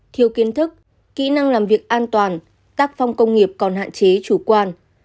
thiếu kiến thức kỹ năng làm việc an toàn tác phong công nghiệp còn hạn chế chủ quan